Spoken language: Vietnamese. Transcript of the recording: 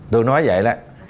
tôi nói vậy đó